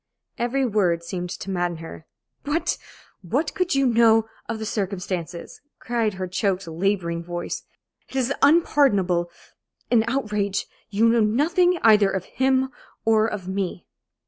Every word seemed to madden her. "What what could you know of the circumstances?" cried her choked, laboring voice. "It is unpardonable an outrage! You know nothing either of him or of me."